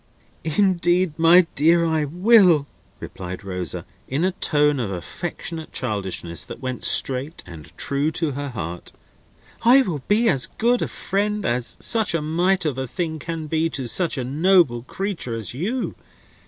"Indeed, my dear, I will," replied Rosa, in a tone of affectionate childishness that went straight and true to her heart; "I will be as good a friend as such a mite of a thing can be to such a noble creature as you.